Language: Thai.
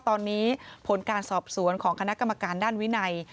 ตอนนี้ผลการสอบสวนของคณะกรรมการด้านวินัย